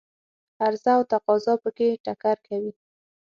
عرضه او تقاضا په کې ټکر کوي.